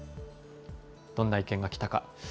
どんな意見が来たか。